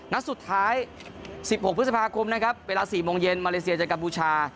นัดสุดท้าย๑๖พฤษภาคมนะครับเวลา๔โมงเย็นมาเลเซียเจอกัมพูชา